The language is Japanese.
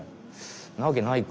なわけないか。